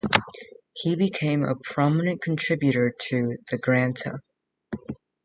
He became a prominent contributor to "The Granta".